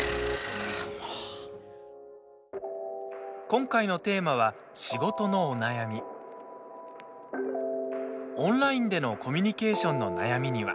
今回のテーマはオンラインでのコミュニケーションの悩みには。